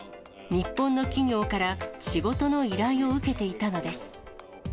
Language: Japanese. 日本の企業から仕事の依頼を受けていたのです。